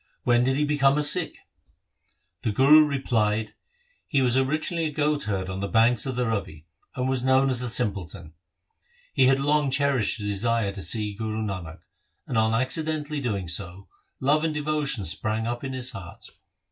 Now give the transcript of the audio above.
When did he become a Sikh ?' The Guru replied, ' He was originally a goat herd on the banks of the Ravi, and was known as "The simpleton". He had long cherished a desire to see Guru Nanak, and, on accidentally doing so, love and devotion sprang up in his heart.